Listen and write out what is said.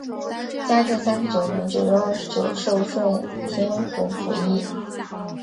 嘉靖三十九年九月廿九授顺天府府尹。